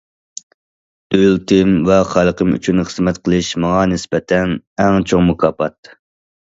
دۆلىتىم ۋە خەلقىم ئۈچۈن خىزمەت قىلىش ماڭا نىسبەتەن ئەڭ چوڭ مۇكاپات.